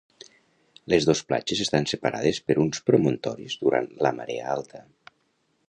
Les dos platges estan separades per uns promontoris durant la marea alta.